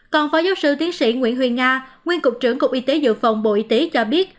còn phó giáo sư tiến sĩ nguyễn huyền nga nguyên cục trưởng cục y tế dự phòng bộ y tế cho biết